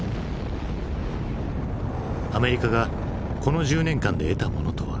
アメリカがこの１０年間で得たものとは。